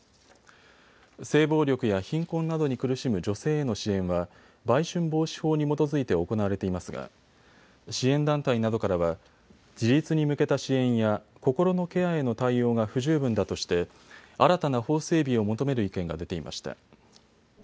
性暴力や貧困などに苦しむ女性への支援は売春防止法に基づいて行われていますが支援団体などからは自立に向けた支援や心のケアへの対応が不十分だとして新たな法整備を求める意見が出ていました。